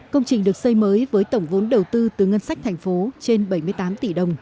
công trình được xây mới với tổng vốn đầu tư từ ngân sách thành phố trên bảy mươi tám tỷ đồng